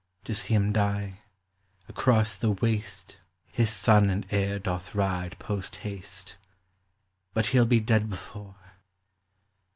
To see him die, across the waste His son and heir doth ride post haste, But he '11 be dead before.